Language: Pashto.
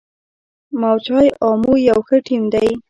موج های امو یو ښه ټیم دی.